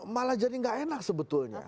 malah jadi nggak enak sebetulnya